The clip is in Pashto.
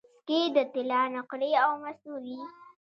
سکې د طلا نقرې او مسو وې